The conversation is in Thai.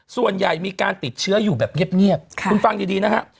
ส่วนใหญ่มีการติดเชื้ออยู่แบบเงียบคุณฟังดีนะฮะ